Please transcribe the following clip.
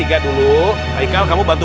iya ada kebakaran katanya